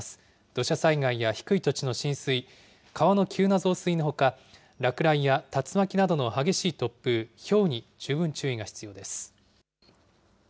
土砂災害や低い土地の浸水、川の急な増水のほか、落雷や竜巻などの激しい突風、ひょうに十分注意が必要です。